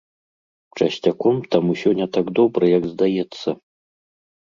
Часцяком там усё не так добра, як здаецца.